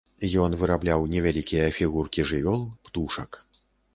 Ён вырабляў невялікія фігуркі жывёл, птушак.